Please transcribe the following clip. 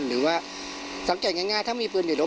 หรือว่าสังเกตง่ายถ้ามีปืนอยู่ในรถ